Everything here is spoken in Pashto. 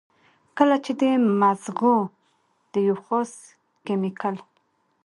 کله چې د مزغو د يو خاص کېميکل